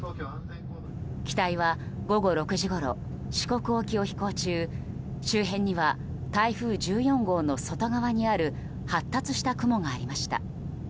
機体は、午後６時ごろ四国沖を飛行中周辺には台風１４号の外側にある発達した雲がありました。